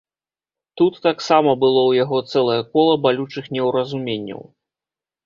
Тут таксама было ў яго цэлае кола балючых неўразуменняў.